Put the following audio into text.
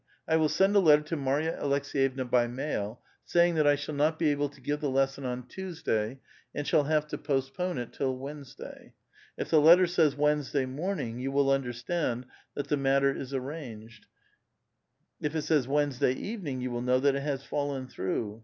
I will send a letter to Marya Aleks^yevna by mail, saying that I shall not be able to give the lesson on Tuesday, and shall have to postpone it till Wednesday. If the letter says Wednesday morning^ j'ou will understand that the matter is arranged ; if it says Wednesday evening^ you will know that it has fallen through.